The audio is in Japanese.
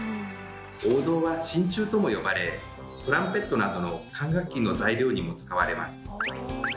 黄銅は「しんちゅう」とも呼ばれトランペットなどの管楽器の材料にも使われます。